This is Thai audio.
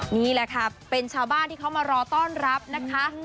นี่แหละค่ะเป็นชาวบ้านที่เขามารอต้อนรับนะคะ